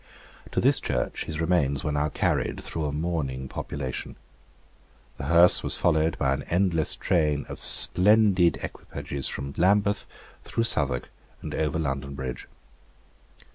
To this church his remains were now carried through a mourning population. The hearse was followed by an endless train of splendid equipages from Lambeth through Southwark and over London Bridge.